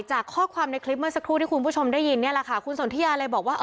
จากข้อความในคลิปเมื่อสักครู่ที่คุณผู้ชมได้ยินเนี่ยแหละค่ะคุณสนทิยาเลยบอกว่า